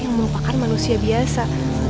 yang merupakan manusia biasa